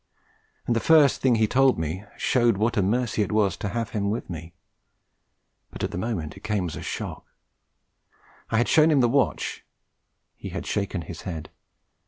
And the first thing he told me showed what a mercy it was to have him with me; but at the moment it came as a shock. I had shown him the watch; he had shaken his head.